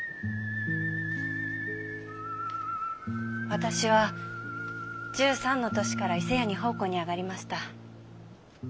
私は１３の年から伊勢屋に奉公に上がりました。